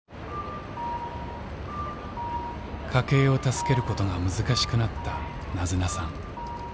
家計を助けることが難しくなったなずなさん。